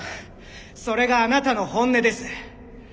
それがあなたの本音です。